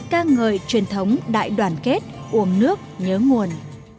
ca ngợi truyền thống đại đoàn kết uống nước nhớ nguồn